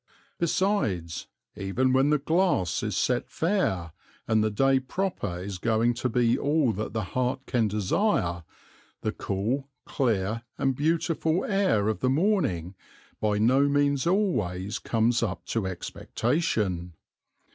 Besides, even when the glass is set fair, and the day proper is going to be all that the heart can desire, the cool, clear, and beautiful air of the morning by no means always comes up to expectation.